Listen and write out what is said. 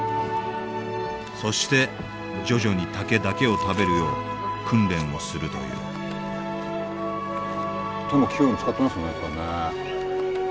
そして徐々に竹だけを食べるよう訓練をするという手も器用に使ってますね。